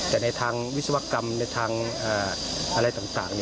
แต่ในทางวิศวกรรมในทางอะไรต่าง